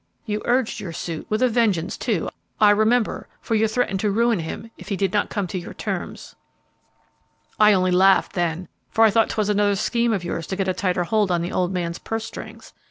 You urged your suit with a vengeance, too, I remember, for you threatened to ruin him if he did not come to your terms. "I only laughed then, for I thought 'twas another scheme of yours to get a tighter hold on the old man's purse strings.